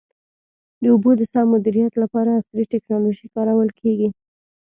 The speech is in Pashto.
د اوبو د سم مدیریت لپاره عصري ټکنالوژي کارول کېږي.